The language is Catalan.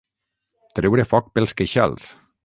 Treure foc pels queixals.